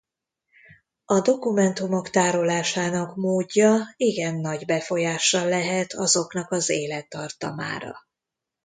A dokumentumok tárolásának módja igen nagy befolyással lehet azoknak az élettartamára.